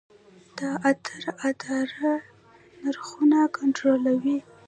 د اترا اداره نرخونه کنټرولوي؟